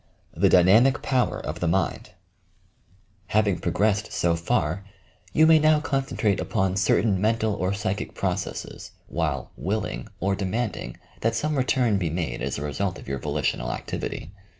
THE DTNAMIC POWER OP TH^ MIND Having progressed so far, you may now concentrate upon certain mental or psychic processes, while "willing" or demanding that some return be made as a result of your volitional activity.